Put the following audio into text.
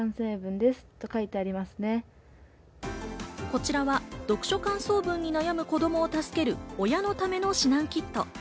こちらは読書感想文に悩む子供助ける親のための指南キット。